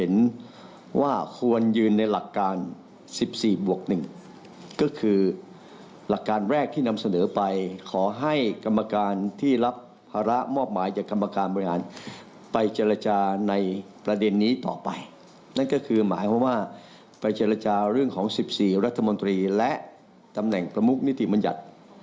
นั่นก็คือหมายความว่าไปเจรจาเรื่องของ๑๔รัฐมนตรีและตำแหน่งประมุกนิติบัญญัติ